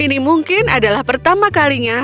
ini mungkin adalah pertama kalinya